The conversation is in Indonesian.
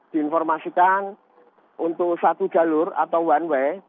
diinformasikan untuk satu jalur atau one way